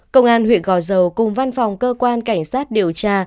công an huyện gò dầu cùng văn phòng cơ quan cảnh sát điều tra